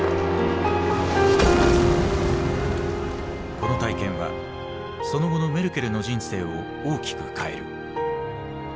この体験はその後のメルケルの人生を大きく変える。